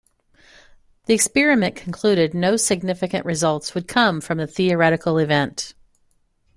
The experiment concluded no significant results would come from the theoretical event.